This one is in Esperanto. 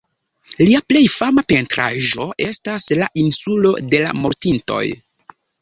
Lia plej fama pentraĵo estas "La Insulo de la Mortintoj".